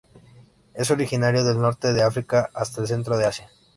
Es originario del norte de África hasta el centro de Asia.